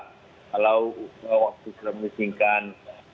kalau waktu saya mengasingkan